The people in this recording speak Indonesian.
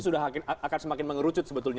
dan ini akan semakin mengerucut sebetulnya ya